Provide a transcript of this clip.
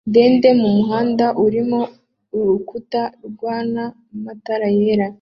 ndende mumuhanda urimo urukuta rwana matara yera.